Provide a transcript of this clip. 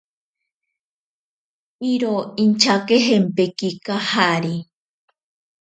Iro inchajempeki kajari.